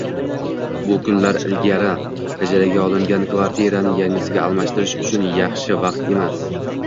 bu kunlar ilgari ijaraga olingan kvartirani yangisiga almashtirish uchun yaxshi vaqt emas